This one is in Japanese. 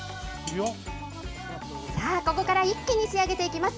さあ、ここから一気に仕上げていきます。